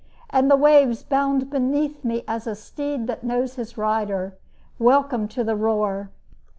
And the waves bound beneath me as a steed That knows his rider. Welcome to the roar!